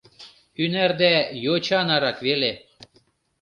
— Ӱнарда йоча нарак веле.